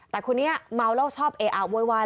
แต่คุณเนี่ยเมาแล้วชอบเอออับโว๊ยวาย